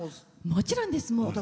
もちろんです。